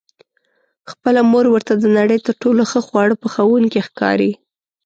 خپله مور ورته د نړۍ تر ټولو ښه خواړه پخوونکې ښکاري.